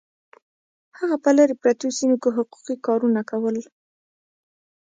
هغه په لرې پرتو سیمو کې حقوقي کارونه کول